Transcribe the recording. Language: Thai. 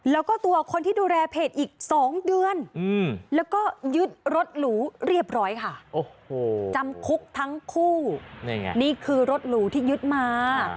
แล้วก็ตัวคนที่ดูแลเพจอีก๒เดือนแล้วก็ยึดรถหรูเรียบร้อยค่ะจำคุกทั้งคู่นี่คือรถหรูที่ยึดมา